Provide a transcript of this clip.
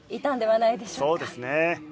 そうですね。